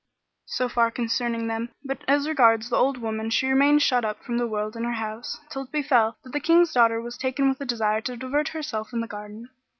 So far concerning them; but as regards the old woman she remained shut up from the world in her house, till it befel that the King's daughter was taken with a desire to divert herself in the garden.